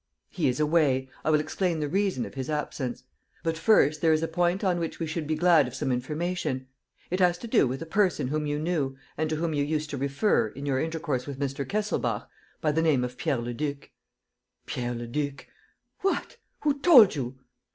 "He is away. I will explain the reason of his absence. But, first, there is a point on which we should be glad of some information. It has to do with a person whom you knew and to whom you used to refer, in your intercourse with Mr. Kesselbach, by the name of Pierre Leduc." "Pierre Leduc! What! Who told you?"